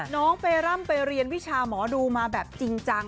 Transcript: น้องไปร่ำไปเรียนวิชาหมอดูมาแบบจริงจัง